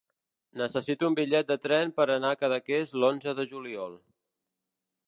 Necessito un bitllet de tren per anar a Cadaqués l'onze de juliol.